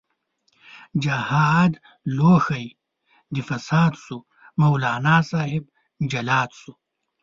جهاد لوښی د فساد شو، مولانا صاحب جلاد شو